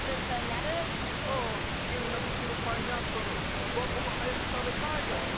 Ｏｈ君の作るパイナップル僕も早く食べたいよ。